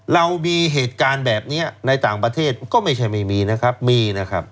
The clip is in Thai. เรามีเหตุการณ์แบบนี้ในต่างประเทศก็ไม่ใช่ไม่มีนะครับมีนะครับ